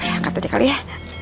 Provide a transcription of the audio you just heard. angkat aja kali ya